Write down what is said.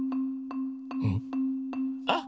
うん？あっ。